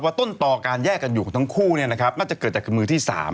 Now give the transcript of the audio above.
ต้นต่อการแยกกันอยู่ของทั้งคู่น่าจะเกิดจากคือมือที่๓